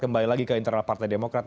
kembali lagi ke internal partai demokrat